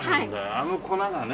あの粉がね。